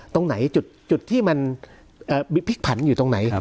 ตรงไหนจุดที่มันพลิกผันอยู่ตรงไหน